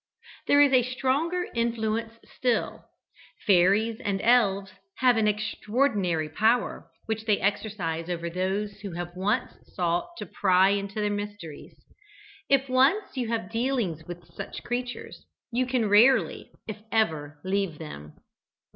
There is a stronger influence still. Fairies and elves have an extraordinary power which they exercise over those who have once sought to pry into their mysteries. If once you have dealings with such creatures, you can rarely, if ever, leave them.